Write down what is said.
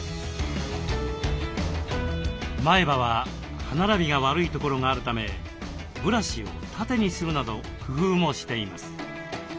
前歯は歯並びが悪い所があるためブラシを縦にするなど工夫もしています。